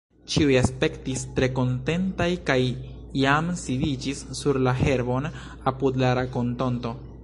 Ĉiuj aspektis tre kontentaj kaj jam sidiĝis sur la herbon apud la rakontonto.